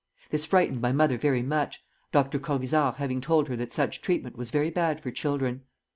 This frightened my mother very much, Dr. Corvisart having told her that such treatment was very bad for children."